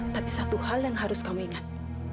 tapi satu hal yang harus kami ingat